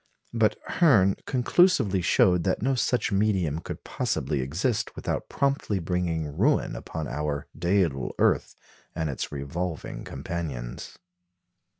But Hirn conclusively showed that no such medium could possibly exist without promptly bringing ruin upon our "dædal earth" and its revolving companions.